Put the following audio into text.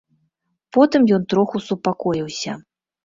Потым ён троху супакоіўся.